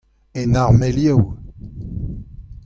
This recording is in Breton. En armelioù.